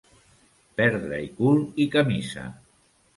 Perdre-hi cul i camisa.